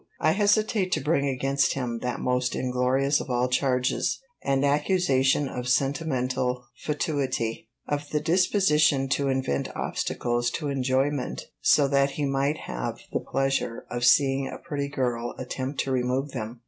I hesitate to bring against him that most inglorious of all charges, an accusation of sentimental fatuity, of the disposition to invent obstacles to enjoyment so that he might have the pleasure of seeing a pretty girl attempt to remove them.